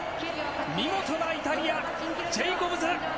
見事なイタリア、ジェイコブズ。